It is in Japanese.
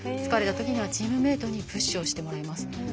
疲れたときにはチームメートにプッシュをしてもらいます。